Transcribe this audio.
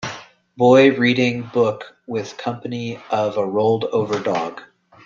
Boy reading book with company of a rolled over dog.